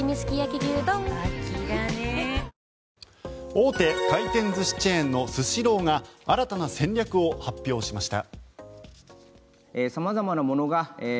大手回転寿司チェーンのスシローが新たな戦略を発表しました。